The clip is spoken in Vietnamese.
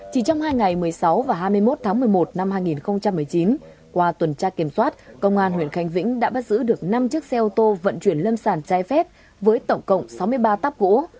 chỉ trong hai ngày một mươi sáu và hai mươi một tháng một mươi một năm hai nghìn một mươi chín qua tuần tra kiểm soát công an huyện khánh vĩnh đã bắt giữ được năm chiếc xe ô tô vận chuyển lâm sản trái phép với tổng cộng sáu mươi ba tắp gỗ